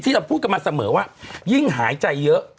เราพูดกันมาเสมอว่ายิ่งหายใจเยอะ